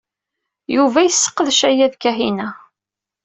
Yuba yesqerdec aya d Kahina.